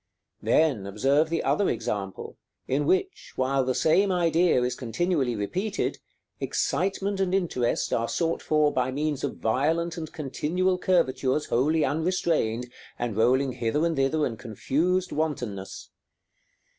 ]§ X. Then observe the other example, in which, while the same idea is continually repeated, excitement and interest are sought for by means of violent and continual curvatures wholly unrestrained, and rolling hither and thither in confused wantonness.